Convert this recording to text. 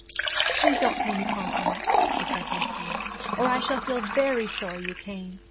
'Please don't pay me compliments,' she said, hastily, 'or I shall feel very sorry you came.